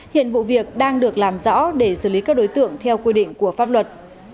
hiện vụ việc đang được làm rõ để xử lý các đối tượng theo quy định của pháp luật